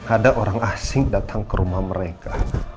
ada orang asing datang ke rumah mereka